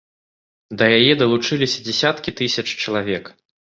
Да яе далучыліся дзясяткі тысяч чалавек.